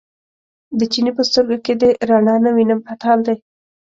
د چیني په سترګو کې دې رڼا نه وینم بد حال دی.